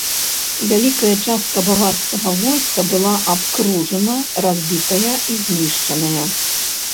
Вялікая частка баварскага войска была абкружана, разбітая і знішчаная.